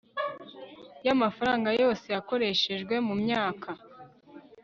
y amafaranga yose yakoreshejwe mu myaka